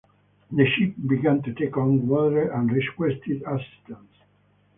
The ship began to take on water and requested assistance.